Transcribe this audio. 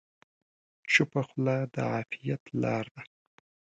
چپه خوله، د عافیت لاره ده.